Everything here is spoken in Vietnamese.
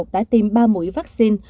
đã tìm ba mũi vaccine